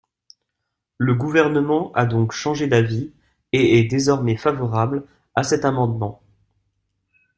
Le Gouvernement a donc changé d’avis et est désormais favorable à cet amendement.